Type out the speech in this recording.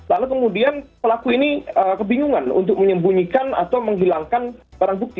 lalu kemudian pelaku ini kebingungan untuk menyembunyikan atau menghilangkan barang bukti